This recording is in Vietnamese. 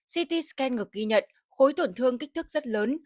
ct scan ngực ghi nhận khối tổn thương kích thước rất lớn